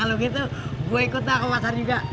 kalau gitu gue ikut ke pasar juga